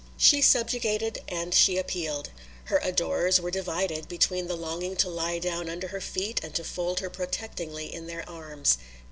She subjugated and she appealed. Her adorers were divided between the longing to lie down under her feet and to fold her protectingly in their arms.